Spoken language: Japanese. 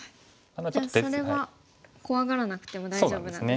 じゃあそれは怖がらなくても大丈夫なんですね。